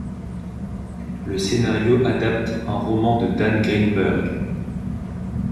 Le scénario adapte un roman de Dan Greenburg.